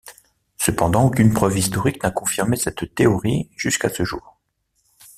Cependant, aucune preuve historique n'a confirmé cette théorie jusqu'à ce jour.